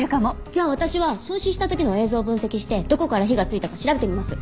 じゃあ私は焼死した時の映像を分析してどこから火がついたか調べてみます。